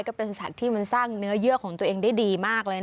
ก็เป็นสัตว์ที่มันสร้างเนื้อเยื่อของตัวเองได้ดีมากเลย